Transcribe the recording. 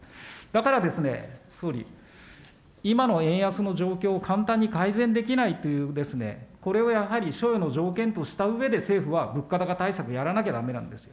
だからですね、総理、今の円安の状況を簡単に改善できないという、これをやはり、の条件としたうえで、政府は物価高対策、やらなきゃだめなんです。